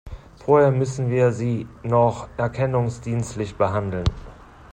Vorher müssen wir Sie noch erkennungsdienstlich behandeln.